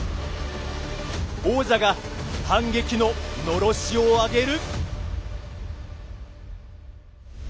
王者が反撃の、のろしを上げる。